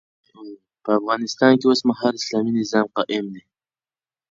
په افغانستان کي اوسمهال اسلامي نظام قايم دی